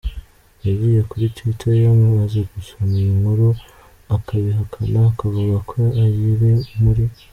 yagiye kuri twitter ye amaze gusoma iyi nkuru akabihakana, akavuga ko ayri muri.